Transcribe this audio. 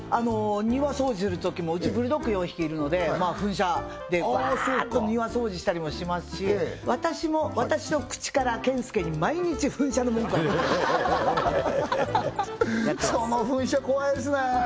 庭掃除するときもうちブルドッグ４匹いるので噴射でバーッと庭掃除したりもしますし私も私の口から健介に毎日噴射の文句その噴射怖いですね